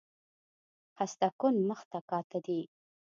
خسته کن مخ ته کاته دي